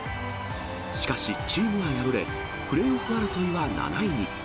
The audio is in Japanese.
しかしチームは敗れ、プレーオフ争いは７位に。